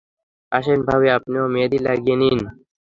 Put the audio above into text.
আসেন ভাবি, আপনিও মেহেদী লাগিয়ে নিন।